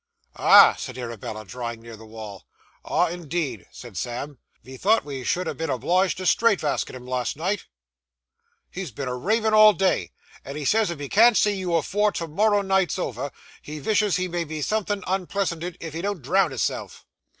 'Ah!' said Arabella, drawing nearer the wall. 'Ah, indeed,' said Sam. 'Ve thought ve should ha' been obliged to strait veskit him last night; he's been a ravin' all day; and he says if he can't see you afore to morrow night's over, he vishes he may be somethin' unpleasanted if he don't drownd hisself.